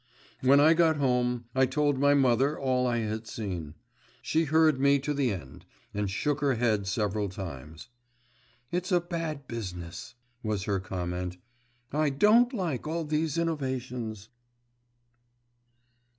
When I got home I told my mother all I had seen. She heard me to the end, and shook her head several times. 'It's a bad business,' was her comment. 'I don't like all these innovations!